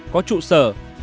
ba có trụ sở